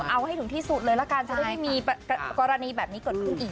เอาให้ถึงที่สุดเลยละกันจะได้ไม่มีกรณีแบบนี้เกิดขึ้นอีก